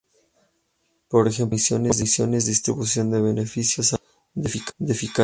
Por ejemplo, comisiones, distribución de beneficios, salarios de eficacia.